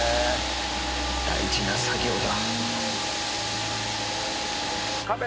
大事な作業だ。